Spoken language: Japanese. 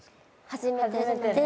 初めて。